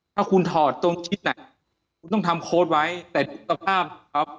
หากคุณถอนตรงชิดไหนคุณต้องทำโค้ตไว้แต่คุณต้องห้ามครับ